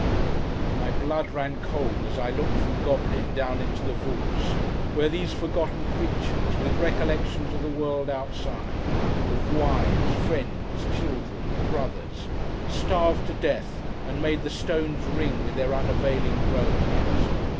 My blood ran cold, as I looked from Goblin, down into the vaults, where these forgotten creatures, with recollections of the world outside: of wives, friends, children, brothers: starved to death, and made the stones ring with their unavailing groans.